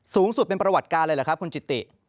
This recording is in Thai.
สูงสุดเป็นประวัติการเลยเหรอครับคุณจิติ